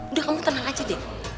udah kamu tenang aja deh